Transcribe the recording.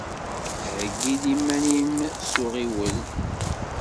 Heyyi-d iman-im s uɣiwel.